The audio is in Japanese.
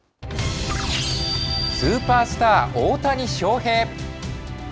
スーパースター、大谷翔平。